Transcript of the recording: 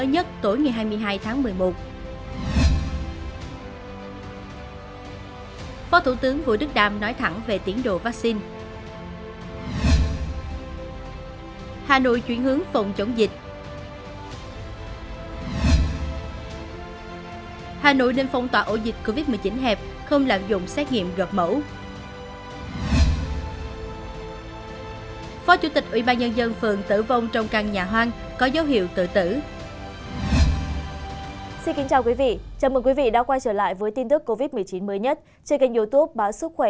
hãy đăng ký kênh để ủng hộ kênh của chúng mình nhé